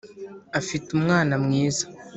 Afite umwana mwiza